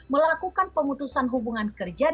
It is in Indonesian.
melakukan pemutusan hubungan kerja